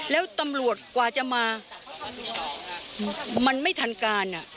แล้วตำรวจกว่าจะมามันไม่ทันการ